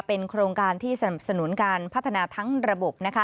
เป็นโครงการที่สนุนการพัฒนาทั้งระบบ